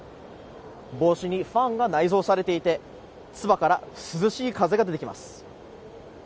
帽子にファンが内蔵されていてつばから涼しい風が出てきます。